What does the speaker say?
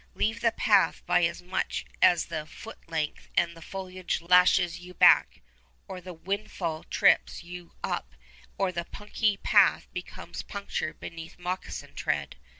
Leave the path by as much as a foot length and the foliage lashes you back, or the windfall trips you up, or the punky path becomes punctured beneath moccasin tread.